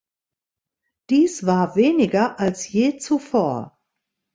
Dies war weniger als je zuvor.